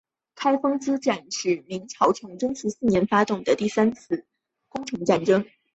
开封之战是明朝崇祯十四年发动的三次攻城战。